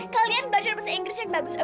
kalian belajar bahasa inggris yang bagus